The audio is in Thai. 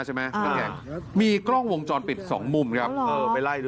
ก็ต้องแยกมีกล้องวงจรปิดสองมุมครับเออไปไล่ดู